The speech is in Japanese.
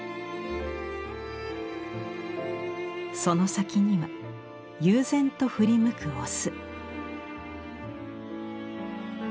その先には悠然と振り向くオス。